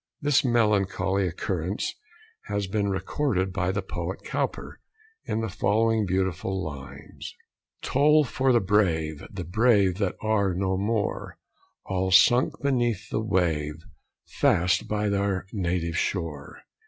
This melancholy occurrence has been recorded by the poet Cowper, in the following beautiful lines: Toll for the brave! The brave, that are no more: All sunk beneath the wave, Fast by their native shore.